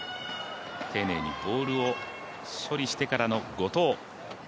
丁寧にボールを処理してからの後藤。